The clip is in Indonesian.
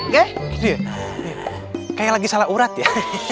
gitu ya kayak lagi salah urat ya